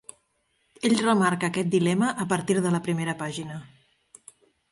Ell remarca aquest dilema a partir de la primera pàgina.